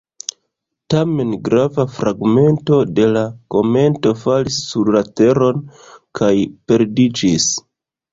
Tamen grava fragmento de la kometo falis sur la Teron kaj perdiĝis.